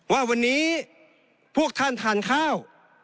ว่าวันนี้พวกท่านทานข้าว